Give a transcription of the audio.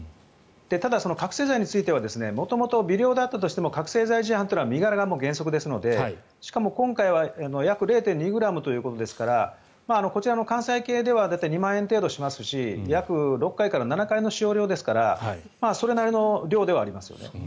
ただ、覚醒剤については元々微量であったとしても覚醒剤事案は身柄が原則ですのでしかも今回は約０．２ｇということですからこちらの関西系では２万円程度しますし約６回から７回の使用量ですからそれなりの量ではありますよね。